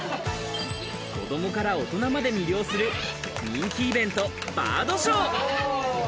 子どもから大人まで魅了する人気イベント、バードショー。